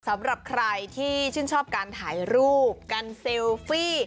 สำหรับใครที่ชื่นชอบการถ่ายรูปการเซลฟี่